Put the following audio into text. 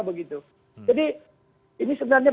begitu jadi ini sebenarnya